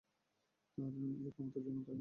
তার তার এই ক্ষমতার জন্য তাকে গান করিয়েছিলেন।